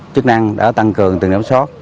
chức năng đã tăng cường từng đám sót